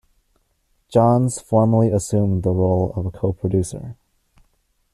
Johns formally assumed the role of a co-producer.